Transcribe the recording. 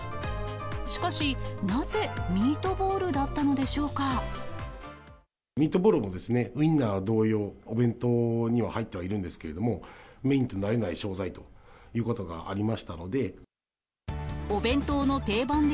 しかし、なぜミートボールだったミートボールもウインナー同様、お弁当には入ってはいるんですけれども、メインとなれない食材ということがありましたので。